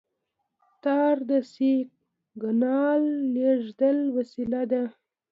تار د سیګنال لېږد وسیله ده.